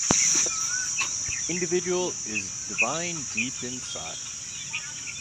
Individual is divine deep inside.